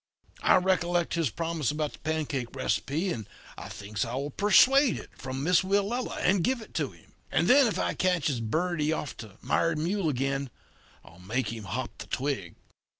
I recollect his promise about the pancake receipt, and I thinks I will persuade it from Miss Willella and give it to him; and then if I catches Birdie off of Mired Mule again, I'll make him hop the twig.